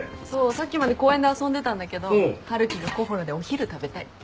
さっきまで公園で遊んでたんだけど春樹がＫｏｈｏｌａでお昼食べたいって。